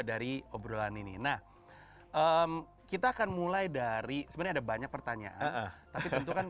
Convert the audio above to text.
dari obrolan ini nah kita akan mulai dari sebenarnya banyak pertanyaan tapi tentukan